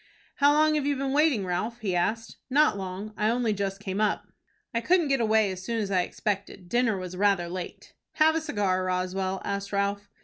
"How long have you been waiting, Ralph?" he asked. "Not long. I only just came up." "I couldn't get away as soon as I expected. Dinner was rather late." "Have a cigar, Roswell?" asked Ralph.